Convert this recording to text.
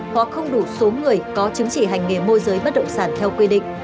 hoặc không đủ số người có chứng chỉ hành nghề môi giới bất động sản theo quy định